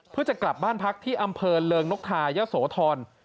เพื่อจะกลับบ้านพักที่อำเภอเริงนกทายะโสธร